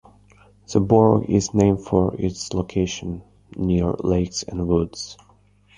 The borough is named for its location near lakes and woods.